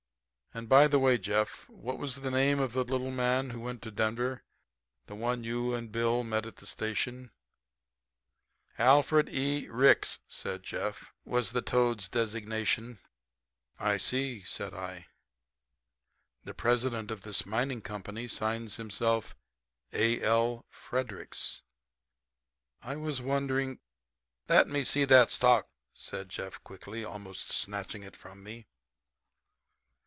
"And, by the way, Jeff, what was the name of the little man who went to Denver the one you and Bill met at the station?" "Alfred E. Ricks," said Jeff, "was the toad's designation." "I see," said I, "the president of this mining company signs himself A. L. Fredericks. I was wondering " "Let me see that stock," said Jeff quickly, almost snatching it from me.